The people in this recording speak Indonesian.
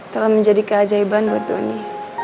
telah menjadi keajaiban buat doni